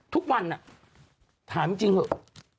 ทุกวันถามจริงเถอะ